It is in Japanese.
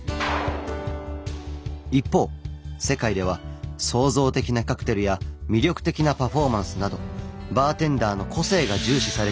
一方世界では創造的なカクテルや魅力的なパフォーマンスなどバーテンダーの個性が重視されているというのです。